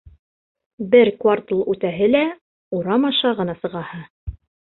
Бер квартал үтәһе лә, урам аша ғына сығаһы.